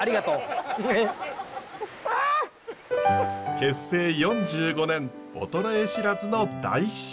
結成４５年衰え知らずの大師匠。